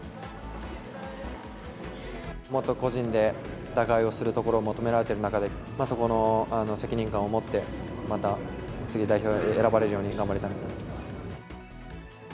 もっと個人で打開をすることを求められている中で、そこの責任感を持って、また、次の代表に選ばれるように頑張りたいなと思います。